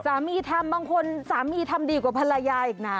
ทำบางคนสามีทำดีกว่าภรรยาอีกนะ